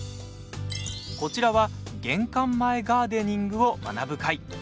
こちらは玄関前ガーデニングを学ぶ回。